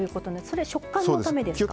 それ食感のためですか？